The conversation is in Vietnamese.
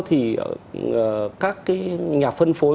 thì các nhà phân phối